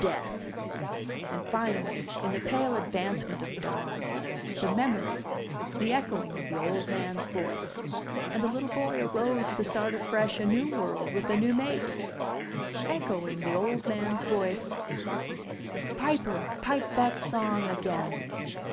Death. And finally, in the pale advancement of dawn, the memory, the echoing of the old man's voice. And the little boy arose to start afresh a new world with a new mate. Echoing, the old man's voice: "Piper, pipe that song again!